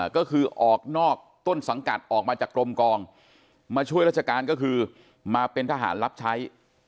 ก็คือออกนอกต้นสังกัดออกมาจากกรมกองมาช่วยราชการก็คือมาเป็นทหารรับใช้